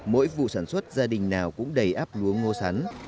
mỗi vụ sản xuất gia đình nào cũng đầy áp lúa ngô sắn